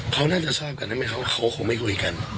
เขาน่าจะชอบกันไม่ว่าเขาคงไม่คุยกัน